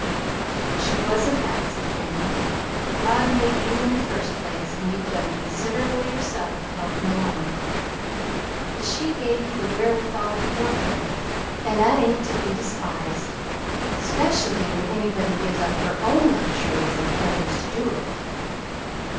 "She wasn't that," said Jane. "God made you in the first place, and you've done considerable yourself to help Him along; but she gave you the wherewithal to work with, and that ain't to be despised; specially when anybody gives up her own luxuries and pleasures to do it.